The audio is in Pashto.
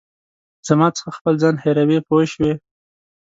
زما څخه خپل ځان هېروې پوه شوې!.